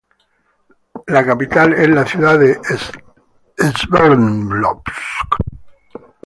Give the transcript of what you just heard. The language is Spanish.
La capital es la ciudad de Sverdlovsk.